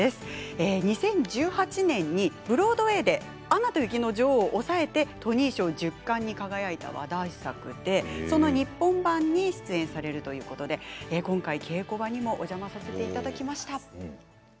２０１８年にブロードウェイで「アナと雪の女王」を抑えてトニー賞１０冠に輝いた話題作で日本版に出演されるということで今回稽古場にもお邪魔させていただきました。